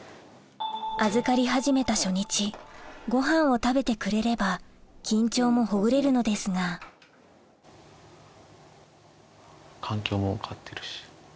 預かり始めたごはんを食べてくれれば緊張もほぐれるのですが環境も変わってるし。